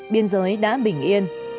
biên giới đã bình yên